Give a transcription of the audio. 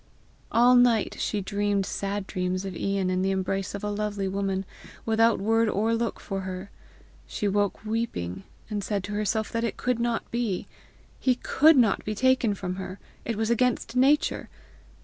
All night she dreamed sad dreams of Ian in the embrace of a lovely woman, without word or look for her. She woke weeping, and said to herself that it could not be. He COULD not be taken from her! it was against nature!